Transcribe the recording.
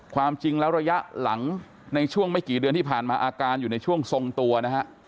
ความจริงแล้วระยะหลังในช่วงไม่กี่เดือนที่ผ่านมาอาการอยู่ในช่วงทรงตัวนะฮะ